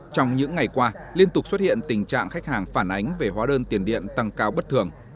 trong những ngày qua liên tục xuất hiện tình trạng khách hàng phản ánh về hóa đơn tiền điện tăng cao bất thường